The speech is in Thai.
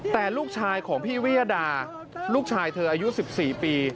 แต่ลูกชายของพี่วิยดาลูกชายเธออายุ๑๔ปี